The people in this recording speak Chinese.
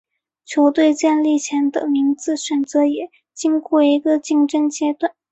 球队建立前的名字选择也经过一个竞争阶段。